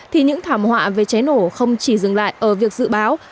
thì những thảm họa về cháy nổ không chỉ dừng lại ở việc dự báo